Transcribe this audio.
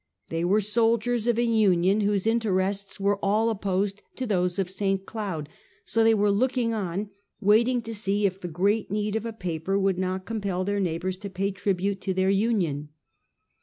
They were soldiers of a union whose interests were all opposed to those of St. Cloud, so they were looking on, waiting to see if the great need of a paper would not compel their neighbors to pay tribute to their union.